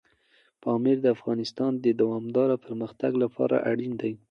پامیر د افغانستان د دوامداره پرمختګ لپاره اړین دی.